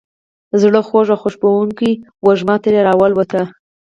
زړه خوږه او خوشبوونکې وږمه ترې را والوته.